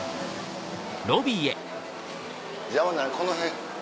邪魔になるこの辺。